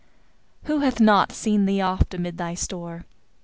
Who hath not seen thee oft amid thy store?